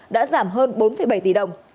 đã giảm hơn bốn bảy tỷ đồng